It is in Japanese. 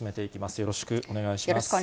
よろしくお願いします。